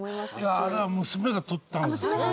いやあれは娘が撮ったんですけどね。